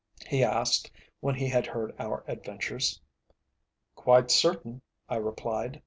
he asked when he had heard our adventures. "Quite certain," I replied.